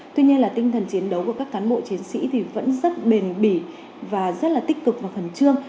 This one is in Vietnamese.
tuy nhiên là tinh thần chiến đấu của các cán bộ chiến sĩ thì vẫn rất bền bỉ và rất là tích cực và khẩn trương